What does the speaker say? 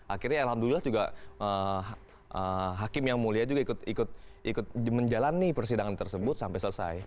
akhirnya alhamdulillah juga hakim yang mulia juga ikut menjalani persidangan tersebut sampai selesai